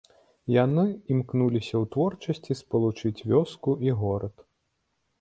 Яны імкнуліся ў творчасці спалучыць вёску і горад.